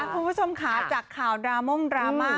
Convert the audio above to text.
คุณผู้ชมค่ะจากข่าวดราม่งดราม่า